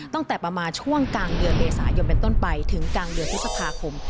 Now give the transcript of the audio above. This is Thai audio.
ตั้งแต่ประมาณช่วงกลางเดือนเมษายนเป็นต้นไปถึงกลางเดือนพฤษภาคม